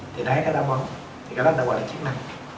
thì cái đó là chức năng